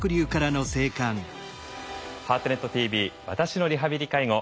「ハートネットＴＶ私のリハビリ・介護」。